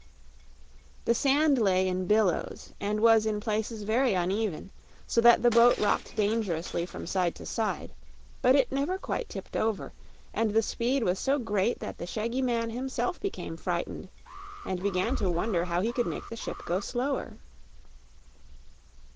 The sand lay in billows, and was in places very uneven, so that the boat rocked dangerously from side to side; but it never quite tipped over, and the speed was so great that the shaggy man himself became frightened and began to wonder how he could make the ship go slower.